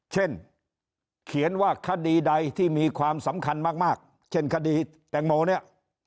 เช่นเขียนว่าคดีใดที่มีความสำคัญมากเช่นคดีแตงโมเนี่ย